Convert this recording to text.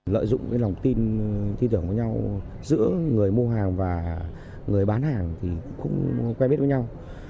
lợi dụng lòng tin thi tưởng với nhau giữa người mua hàng và người bán hàng thì cũng quen biết với nhau